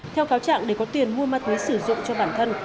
theo cáo trạng để có tiền mua ma túy sử dụng cho bản thân